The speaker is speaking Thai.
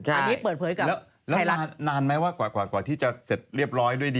อันนี้เปิดเผยก่อนแล้วนานไหมว่ากว่าที่จะเสร็จเรียบร้อยด้วยดี